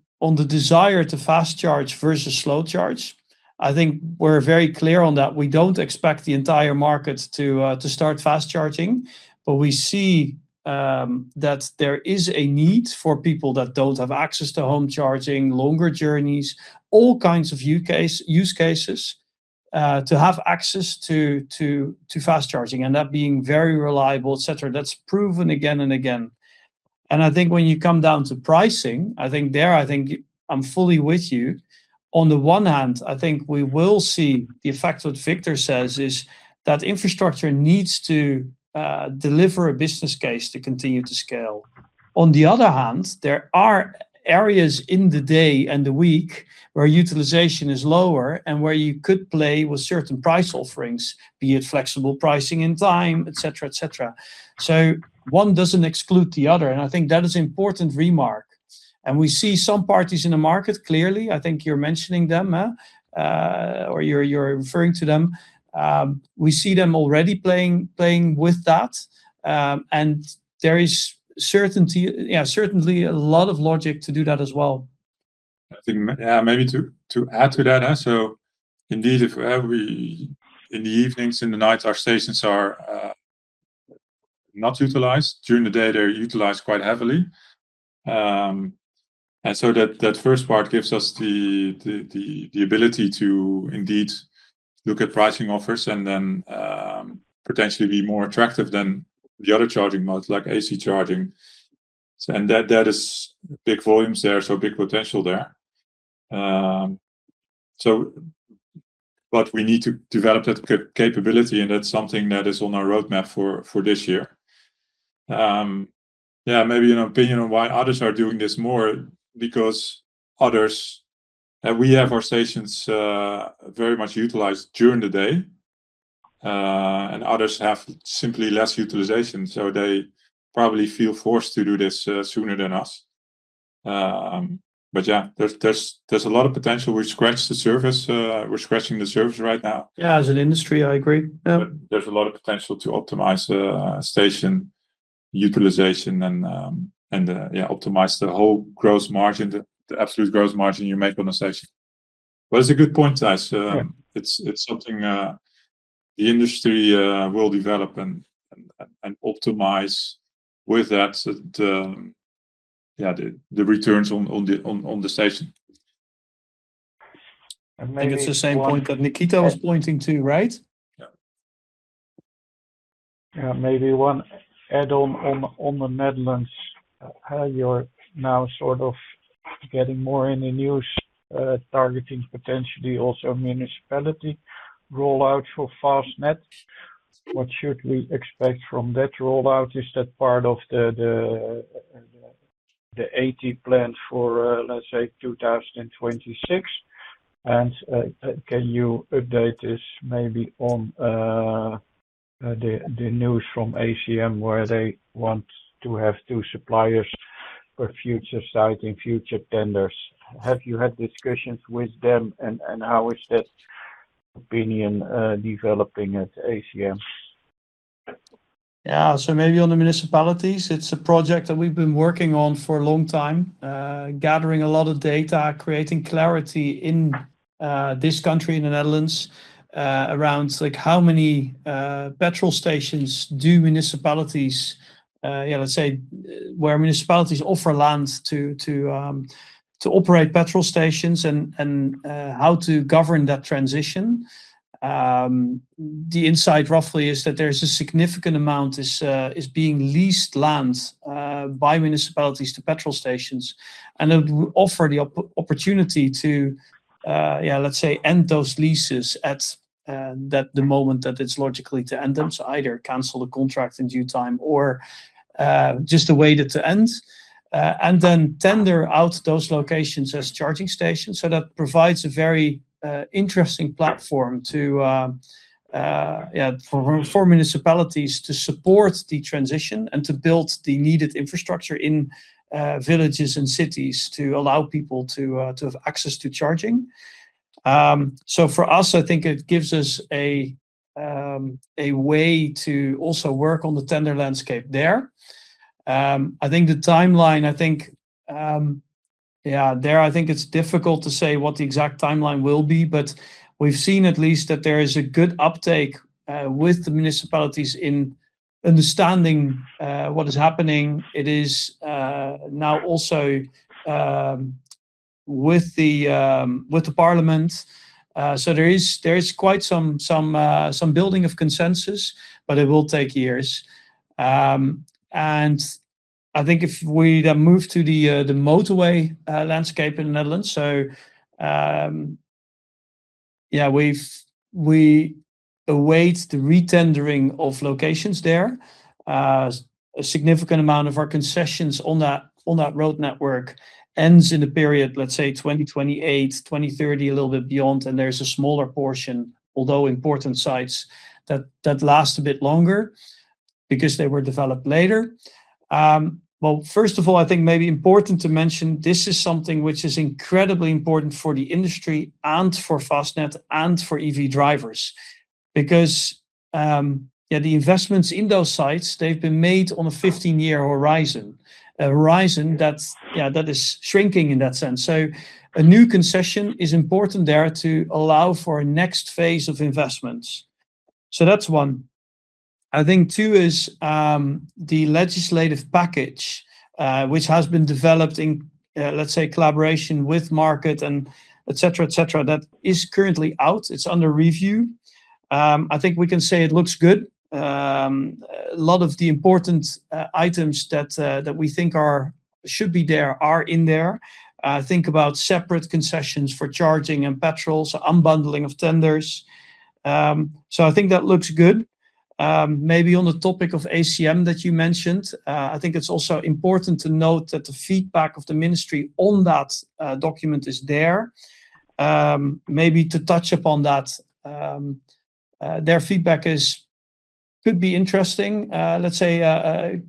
desire to fast charge versus slow charge, I think we're very clear on that. We don't expect the entire market to start fast charging, but we see that there is a need for people that don't have access to home charging, longer journeys, all kinds of use cases to have access to fast charging and that being very reliable, etc. That's proven again and again, and I think when you come down to pricing, I think there, I think I'm fully with you. On the one hand, I think we will see the effect that Victor says is that infrastructure needs to deliver a business case to continue to scale. On the other hand, there are areas in the day and the week where utilization is lower and where you could play with certain price offerings, be it flexible pricing in time, etc., etc. So one doesn't exclude the other, and I think that is an important remark, and we see some parties in the market clearly. I think you're mentioning them or you're referring to them. We see them already playing with that, and there is certainly a lot of logic to do that as well. Yeah, maybe to add to that. So indeed, in the evenings, in the nights, our stations are not utilized. During the day, they're utilized quite heavily. And so that first part gives us the ability to indeed look at pricing offers and then potentially be more attractive than the other charging modes like AC charging. And that is big volumes there, so big potential there. But we need to develop that capability, and that's something that is on our roadmap for this year. Yeah, maybe an opinion on why others are doing this more because others we have our stations very much utilized during the day, and others have simply less utilization. So they probably feel forced to do this sooner than us. But yeah, there's a lot of potential. We're scratching the surface right now. Yeah, as an industry, I agree. There's a lot of potential to optimize station utilization and optimize the whole gross margin, the absolute gross margin you make on a station. But it's a good point, Thijs. It's something the industry will develop and optimize with that, yeah, the returns on the station. I think it's the same point that Nikitas was pointing to, right? Yeah. Yeah, maybe one add-on on the Netherlands. You're now sort of getting more in the news targeting potentially also municipality rollout for Fastned. What should we expect from that rollout? Is that part of the CapEx plan for, let's say, 2026? And can you update us maybe on the news from ACM where they want to have two suppliers for future siting, future tenders? Have you had discussions with them, and how is that opinion developing at ACM? Yeah, so maybe on the municipalities, it's a project that we've been working on for a long time, gathering a lot of data, creating clarity in this country, in the Netherlands, around how many petrol stations do municipalities, yeah, let's say, where municipalities offer land to operate petrol stations and how to govern that transition. The insight roughly is that there's a significant amount is being leased land by municipalities to petrol stations. And it will offer the opportunity to, yeah, let's say, end those leases at the moment that it's logically to end them, so either cancel the contract in due time or just the way to end. And then tender out those locations as charging stations. So that provides a very interesting platform for municipalities to support the transition and to build the needed infrastructure in villages and cities to allow people to have access to charging. So for us, I think it gives us a way to also work on the tender landscape there. I think the timeline, I think, yeah, there, I think it's difficult to say what the exact timeline will be, but we've seen at least that there is a good uptake with the municipalities in understanding what is happening. It is now also with the parliament. So there is quite some building of consensus, but it will take years. And I think if we then move to the motorway landscape in the Netherlands, so yeah, we await the re-tendering of locations there. A significant amount of our concessions on that road network ends in the period, let's say, 2028, 2030, a little bit beyond, and there's a smaller portion, although important sites, that last a bit longer because they were developed later. First of all, I think maybe important to mention, this is something which is incredibly important for the industry and for Fastned and for EV drivers because, yeah, the investments in those sites, they've been made on a 15-year horizon, a horizon that, yeah, that is shrinking in that sense. So a new concession is important there to allow for a next phase of investments. So that's one. I think two is the legislative package, which has been developed in, let's say, collaboration with market and etc., etc., that is currently out. It's under review. I think we can say it looks good. A lot of the important items that we think should be there are in there. Think about separate concessions for charging and petrol, unbundling of tenders. So I think that looks good. Maybe on the topic of ACM that you mentioned, I think it's also important to note that the feedback of the ministry on that document is there. Maybe to touch upon that, their feedback could be interesting, let's say,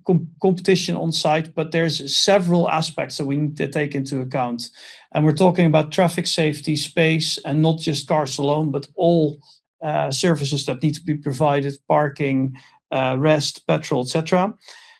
competition on site, but there's several aspects that we need to take into account. And we're talking about traffic safety space and not just cars alone, but all services that need to be provided, parking, rest, petrol, etc.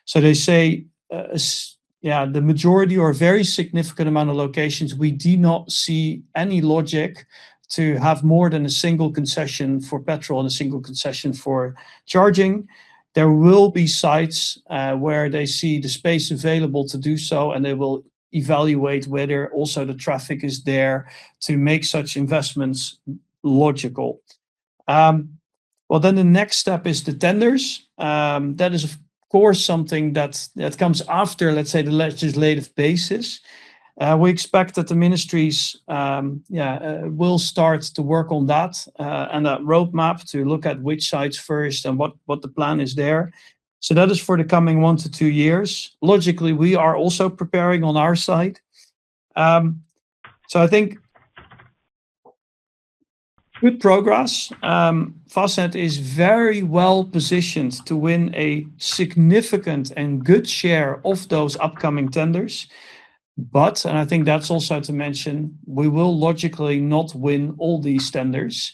So they say, yeah, the majority or very significant amount of locations, we do not see any logic to have more than a single concession for petrol and a single concession for charging. There will be sites where they see the space available to do so, and they will evaluate whether also the traffic is there to make such investments logical. Well, then the next step is the tenders. That is, of course, something that comes after, let's say, the legislative basis. We expect that the ministries, yeah, will start to work on that and that roadmap to look at which sites first and what the plan is there. So that is for the coming one to two years. Logically, we are also preparing on our side. So I think good progress. Fastned is very well positioned to win a significant and good share of those upcoming tenders. But, and I think that's also to mention, we will logically not win all these tenders.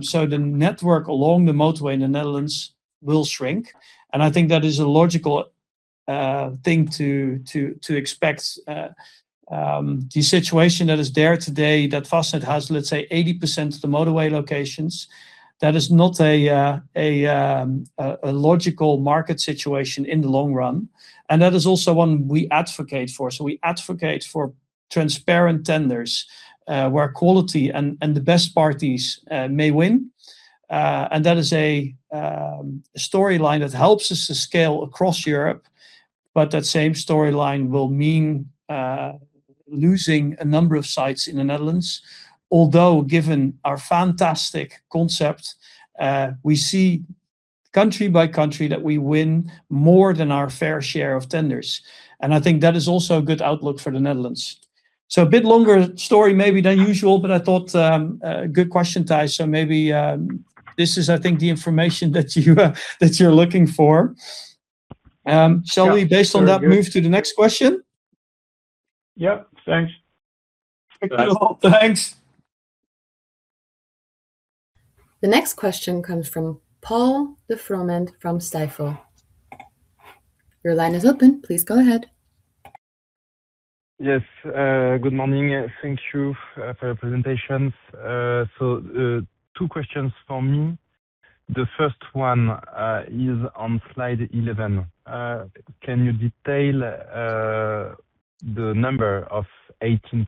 So the network along the motorway in the Netherlands will shrink, and I think that is a logical thing to expect. The situation that is there today, that Fastned has, let's say, 80% of the motorway locations, that is not a logical market situation in the long run. That is also one we advocate for. We advocate for transparent tenders where quality and the best parties may win. That is a storyline that helps us to scale across Europe. That same storyline will mean losing a number of sites in the Netherlands. Although, given our fantastic concept, we see country by country that we win more than our fair share of tenders. I think that is also a good outlook for the Netherlands. A bit longer story maybe than usual, but I thought a good question, Thijs. Maybe this is, I think, the information that you're looking for. Shall we, based on that, move to the next question? Yep. Thanks. Thanks. The next question comes from Paul de Froment from Stifel. Your line is open. Please go ahead. Yes. Good morning. Thank you for your presentations. Two questions for me. The first one is on slide 11. Can you detail the number of 18%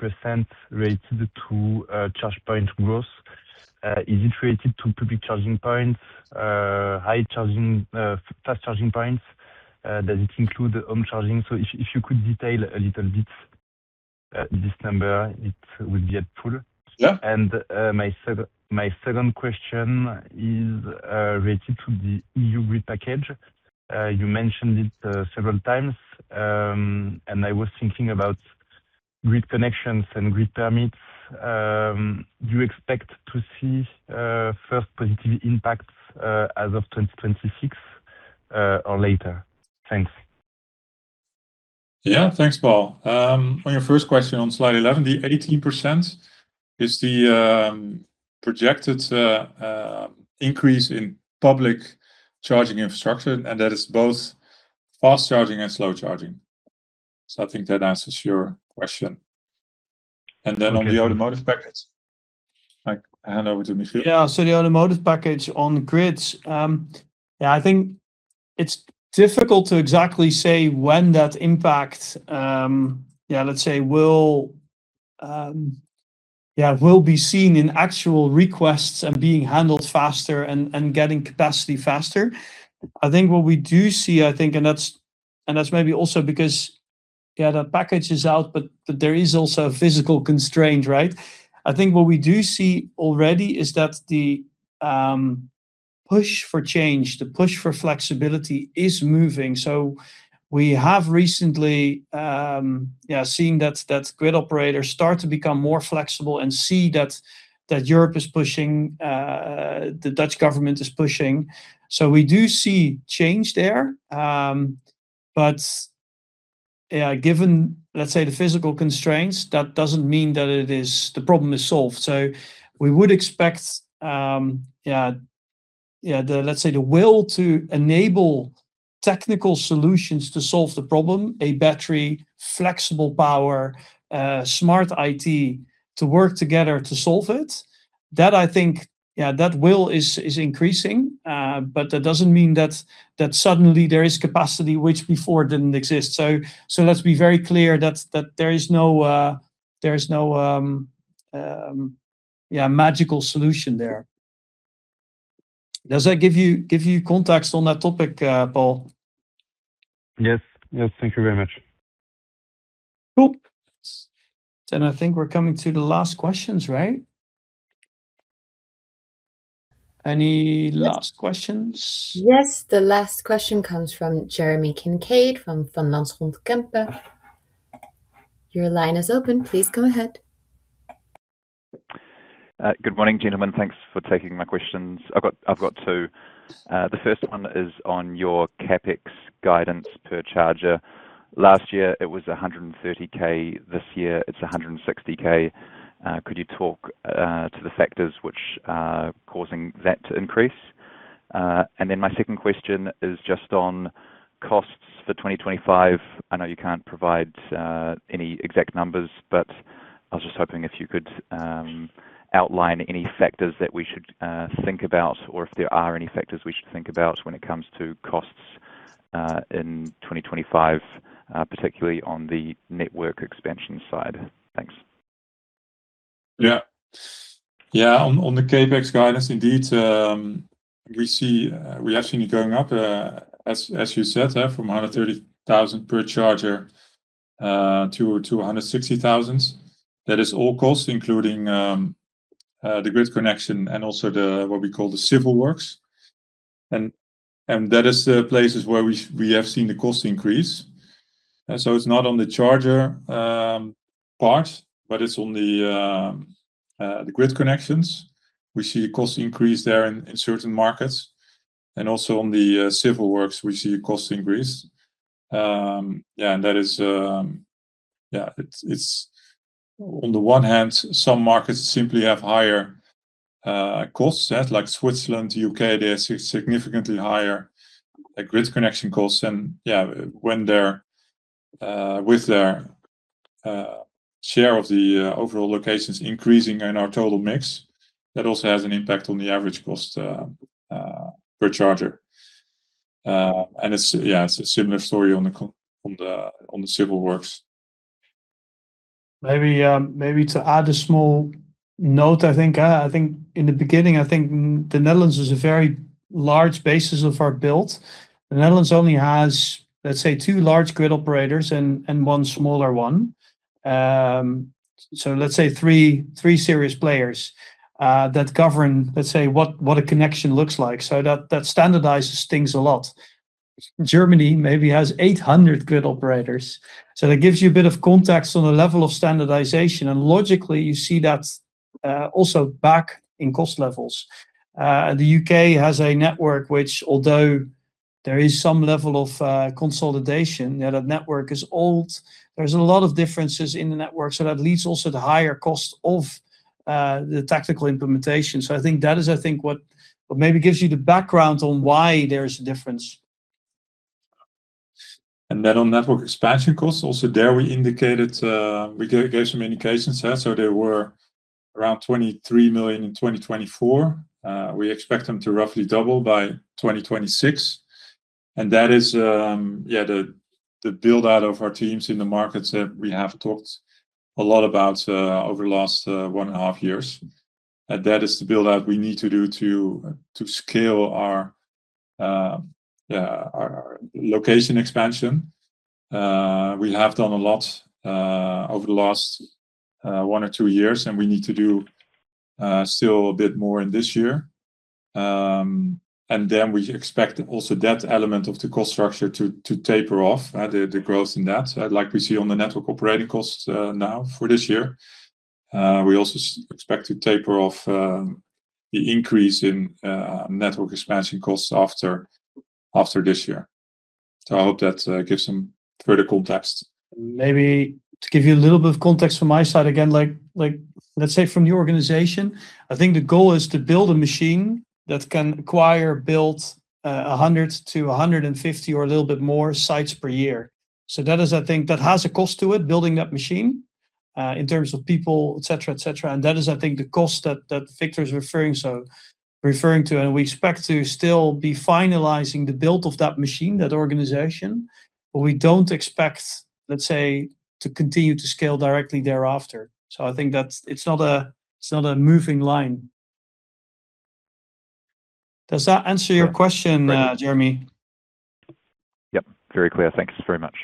related to charge point growth? Is it related to public charging points, high charging, fast charging points? Does it include home charging? So if you could detail a little bit this number, it would be helpful. And my second question is related to the EU grid package. You mentioned it several times, and I was thinking about grid connections and grid permits. Do you expect to see first positive impacts as of 2026 or later? Thanks. Yeah. Thanks, Paul. On your first question on slide 11, the 18% is the projected increase in public charging infrastructure, and that is both fast charging and slow charging. So I think that answers your question. And then on the automotive package, hand over to Nikitas. Yeah. So, the Automotive Package on grids, yeah, I think it's difficult to exactly say when that impact, yeah, let's say, will be seen in actual requests and being handled faster and getting capacity faster. I think what we do see, I think, and that's maybe also because, yeah, that package is out, but there is also a physical constraint, right? I think what we do see already is that the push for change, the push for flexibility is moving. So we have recently, yeah, seen that grid operators start to become more flexible and see that Europe is pushing, the Dutch government is pushing. So we do see change there. But, yeah, given, let's say, the physical constraints, that doesn't mean that the problem is solved. So we would expect, yeah, let's say, the will to enable technical solutions to solve the problem, a battery, flexible power, smart IT to work together to solve it. That, I think, yeah, that will is increasing, but that doesn't mean that suddenly there is capacity which before didn't exist. So let's be very clear that there is no, yeah, magical solution there. Does that give you context on that topic, Paul? Yes. Yes. Thank you very much. Cool. Then I think we're coming to the last questions, right? Any last questions? Yes. The last question comes from Jeremy Kincaid from Van Lanschot Kempen. Your line is open. Please go ahead. Good morning, gentlemen. Thanks for taking my questions. I've got two. The first one is on your CapEx guidance per charger. Last year, it was 130K. This year, it's 160K. Could you talk to the factors which are causing that to increase? And then my second question is just on costs for 2025. I know you can't provide any exact numbers, but I was just hoping if you could outline any factors that we should think about or if there are any factors we should think about when it comes to costs in 2025, particularly on the network expansion side. Thanks. Yeah. Yeah. On the CapEx guidance, indeed, we have seen it going up, as you said, from €130,000 per charger to €160,000. That is all costs, including the grid connection and also what we call the civil works, and that is the places where we have seen the cost increase. So it's not on the charger part, but it's on the grid connections. We see a cost increase there in certain markets. And also on the civil works, we see a cost increase. Yeah. And that is, yeah, it's on the one hand, some markets simply have higher costs. Like Switzerland, the UK, they have significantly higher grid connection costs. And yeah, when they're with their share of the overall locations increasing in our total mix, that also has an impact on the average cost per charger. And it's, yeah, it's a similar story on the civil works. Maybe to add a small note, I think in the beginning, I think the Netherlands is a very large basis of our build. The Netherlands only has, let's say, two large grid operators and one smaller one. So let's say three serious players that govern, let's say, what a connection looks like. So that standardizes things a lot. Germany maybe has 800 grid operators. So that gives you a bit of context on the level of standardization. And logically, you see that also back in cost levels. The U.K. has a network which, although there is some level of consolidation, that network is old. There's a lot of differences in the network. So that leads also to higher cost of the tactical implementation. So I think that is, I think, what maybe gives you the background on why there is a difference. And then on network expansion costs, also there we indicated, we gave some indications, so there were around 23 million in 2024. We expect them to roughly double by 2026. And that is, yeah, the build-out of our teams in the markets that we have talked a lot about over the last one and a half years. And that is the build-out we need to do to scale our location expansion. We have done a lot over the last one or two years, and we need to do still a bit more in this year, and then we expect also that element of the cost structure to taper off, the growth in that, like we see on the network operating costs now for this year. We also expect to taper off the increase in network expansion costs after this year, so I hope that gives some further context. Maybe to give you a little bit of context from my side again, let's say from the organization, I think the goal is to build a machine that can acquire, build 100-150 or a little bit more sites per year, so that is, I think, that has a cost to it, building that machine in terms of people, etc., etc. And that is, I think, the cost that Victor is referring to. And we expect to still be finalizing the build of that machine, that organization, but we don't expect, let's say, to continue to scale directly thereafter. So I think that it's not a moving line. Does that answer your question, Jeremy? Yep. Very clear. Thanks very much.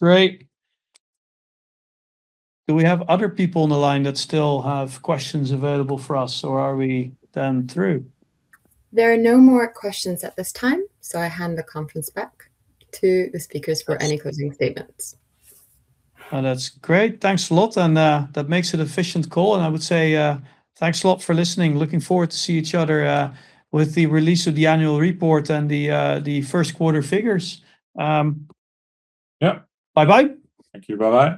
Great. Do we have other people on the line that still have questions available for us, or are we done through? There are no more questions at this time, so I hand the conference back to the speakers for any closing statements. That's great. Thanks a lot. And that makes it an efficient call. And I would say thanks a lot for listening. Looking forward to seeing each other with the release of the annual report and the first quarter figures. Yep. Bye-bye. Thank you. Bye-bye.